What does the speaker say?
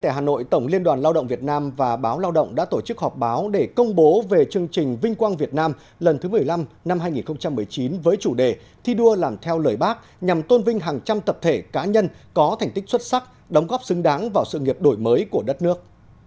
hà nội tổng liên đoàn lao động việt nam và báo lao động đã tổ chức họp báo để công bố về chương trình vinh quang việt nam lần thứ một mươi năm năm hai nghìn một mươi chín với chủ đề thi đua làm theo lời bác nhằm tôn vinh hàng trăm tập thể cá nhân có thành tích xuất sắc đóng góp xứng đáng vào sự nghiệp đổi mới của đất nước